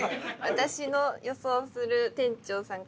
私の予想する店長さん